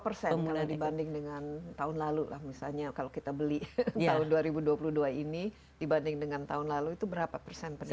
kalau dibanding dengan tahun lalu lah misalnya kalau kita beli tahun dua ribu dua puluh dua ini dibanding dengan tahun lalu itu berapa persen